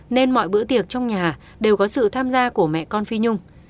nên mọi bữa tiệc trong nhà đều có sự tham gia của mẹ con phi nhung